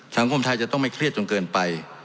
สังคมไทยจะต้องไม่เครียดจนเกินไป